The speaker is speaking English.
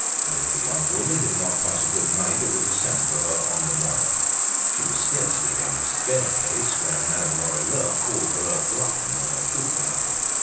If the young woman did not pass a good night they were to send for her on the morrow. She was scarcely down the staircase, when Madame Lorilleux called her a glutton and a good for nothing.